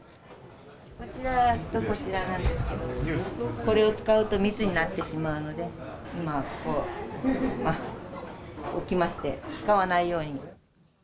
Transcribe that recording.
こちらとこちらなんですけど、これを使うと密になってしまうので、今はこう置きまして、使わないように。